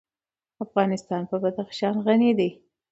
افغانستان په بدخشان غني دی.